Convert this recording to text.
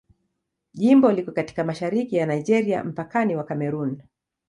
Jimbo liko katika mashariki ya Nigeria, mpakani wa Kamerun.